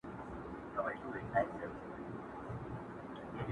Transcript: خو په بل جهان کی ستر قوي پوځونه!.